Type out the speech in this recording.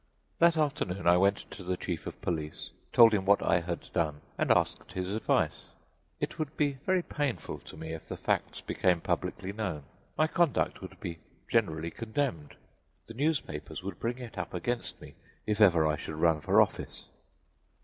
That afternoon I went to the chief of police, told him what I had done and asked his advice. It would be very painful to me if the facts became publicly known. My conduct would be generally condemned; the newspapers would bring it up against me if ever I should run for office.